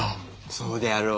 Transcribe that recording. そうであろう？